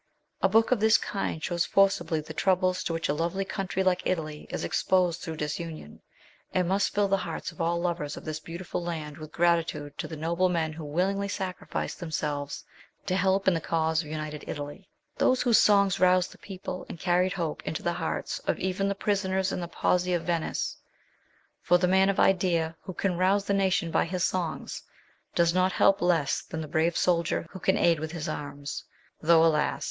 A book of this kind shows forcibly the troubles to which a lovely country like Italy is exposed through disunion, and must fill the hearts of all lovers of this beautiful land with gratitude to the noble men who willingly sacrificed themselves to help in the cause of united Italy; those whose songs roused the people, and carried hope into the hearts of even the prisoners in the pozzi of Venice ; for the man of idea who can rouse the nation by his songs does not help less than the brave soldier who can aid with his arms, though alas